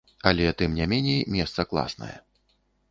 Але, тым не меней, месца класнае.